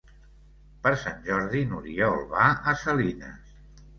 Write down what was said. Per Sant Jordi n'Oriol va a Salines.